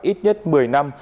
ít nhất một mươi năm